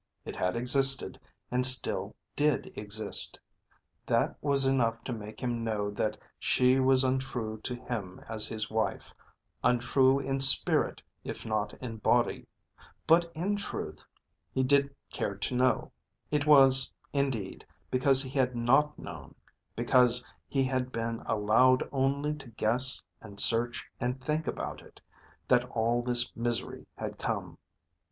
It had existed and still did exist. That was enough to make him know that she was untrue to him as his wife, untrue in spirit if not in body. But in truth he did care to know. It was, indeed, because he had not known, because he had been allowed only to guess and search and think about it, that all this misery had come.